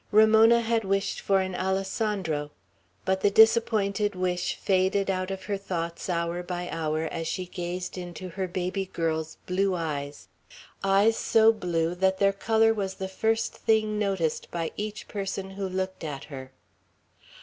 Ramona had wished for an Alessandro; but the disappointed wish faded out of her thoughts, hour by hour, as she gazed into her baby girl's blue eyes, eyes so blue that their color was the first thing noticed by each person who looked at her.